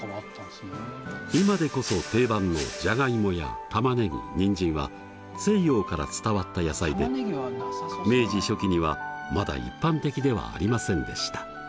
今でこそ定番のじゃがいもやたまねぎにんじんは西洋から伝わった野菜で明治初期にはまだ一般的ではありませんでした。